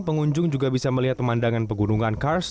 pengunjung juga bisa melihat pemandangan pegunungan kars